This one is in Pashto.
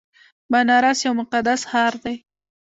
بنارس یو مقدس ښار دی.